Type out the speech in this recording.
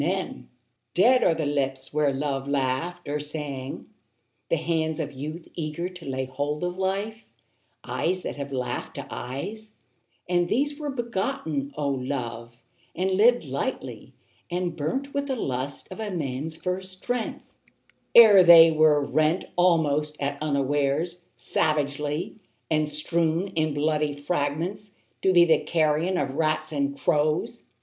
POETS MILITANT 271 Dead are the lips where love laughed or sang, The hands of youth eager to lay hold of life, Eyes that have laughed to eyes, And these were begotten, O Love, and lived lightly, and burnt With the lust of a man's first strength : ere they were rent, Almost at unawares, savagely ; and strewn In bloody fragments, to be the carrion Of rats and crows.